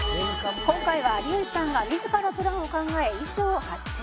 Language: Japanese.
「今回は有吉さんが自らプランを考え衣装を発注」